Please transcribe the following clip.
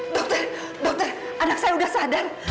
dokter dokter anak saya udah sadar